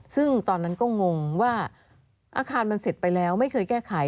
ซึ่งตอนนั้นก็งงว่าอาคารมันเสร็จไปแล้วไม่เคยแก้ไข